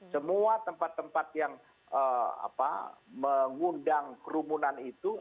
semua tempat tempat yang mengundang kerumunan itu